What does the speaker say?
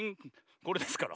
これですから。